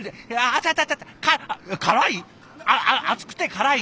辛い！？